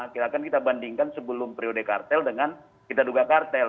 kita akan kita bandingkan sebelum periode kartel dengan kita duga kartel